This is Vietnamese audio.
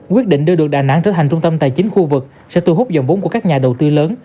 quyết định đưa được đà nẵng trở thành trung tâm tài chính khu vực sẽ thu hút dòng vốn của các nhà đầu tư lớn